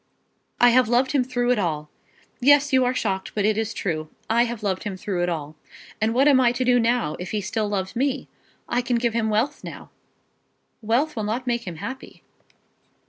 I have loved him through it all. Yes; you are shocked, but it is true. I have loved him through it all. And what am I to do now, if he still loves me? I can give him wealth now." "Wealth will not make him happy."